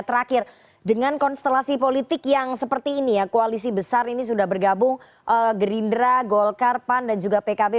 terakhir dengan konstelasi politik yang seperti ini ya koalisi besar ini sudah bergabung gerindra golkar pan dan juga pkb